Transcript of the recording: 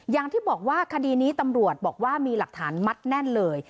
อย่างที่บอกว่าคดีนี้ตำรวจบอกว่ามีหลักฐานมัดแน่นเลย